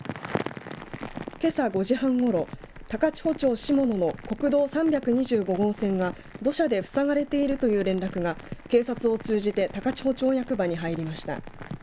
けさ５時半ごろ高千穂町下野の国道３２５号線が土砂でふさがれているという連絡が警察を通じて高千穂町役場に入りました。